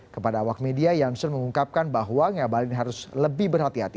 kepada awak media jansen mengungkapkan bahwa ngabalin harus lebih berhati hati